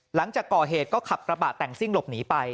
หลังจากก่อเหตุก็ขับกระบะแต่งซิ่งหลบหนีไป